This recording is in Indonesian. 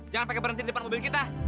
jangan sampai berhenti di depan mobil kita